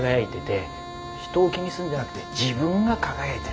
人を気にするんじゃなくて自分が輝いてる。